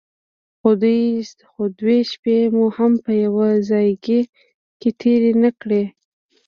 خو دوې شپې مو هم په يوه ځايگي کښې تېرې نه کړې.